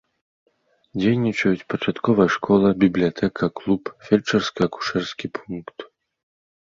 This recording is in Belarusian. Дзейнічаюць пачатковая школа, бібліятэка, клуб, фельчарска-акушэрскі пункт.